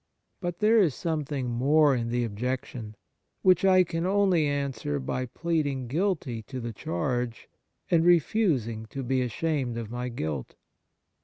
But there is some thing more in the objection ; which I can only answer by pleading guilty to the charge, and refusing to be ashamed of my guilt.